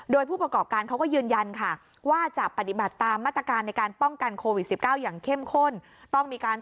โดยผู้ประกอบการเขาก็ยืนยันค่ะ